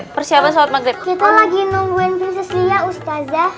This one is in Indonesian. kita lagi nungguin prinses lia ustazah